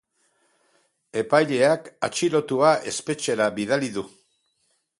Epaileak atxilotua espetxera bidali du.